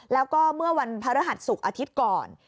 แล้วก็เมื่อวันพระรหัสศุกร์อาทิตย์ก่อน